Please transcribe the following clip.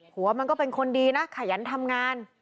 หัวมันก็เป็นคนดีนะขยันทำงาน